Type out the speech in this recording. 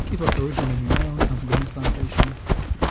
It was originally known as Green Plantation.